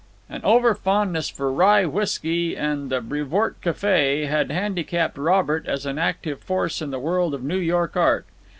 An over fondness for rye whisky at the Brevoort cafe had handicapped Robert as an active force in the world of New York art.